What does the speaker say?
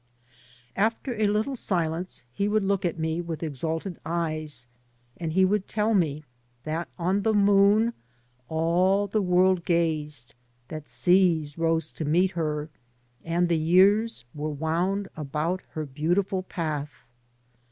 After a little silence he would look at me with exalted eyes, and he would tell me that on the moon all the world gazed, that seas rose to meet her, and the years were wound about her beautiful path.